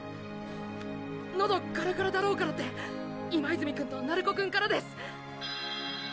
喉カラカラだろうからって今泉くんと鳴子くんからです。